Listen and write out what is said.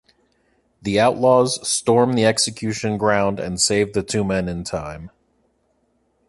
The outlaws storm the execution ground and save the two men in time.